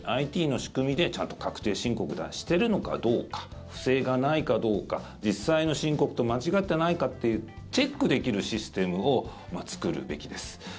ＩＴの仕組みでちゃんと確定申告してるのかどうか不正がないかどうか実際の申告と間違ってないかっていうチェックできるシステムを作るべきです。